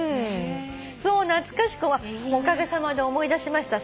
そう懐かしくおかげさまで思い出しました